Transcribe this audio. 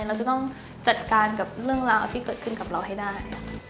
เราจะต้องจัดการกับเรื่องราวที่เกิดขึ้นกับเราให้ได้